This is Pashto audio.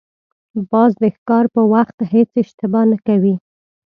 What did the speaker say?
باز د ښکار په وخت هېڅ اشتباه نه کوي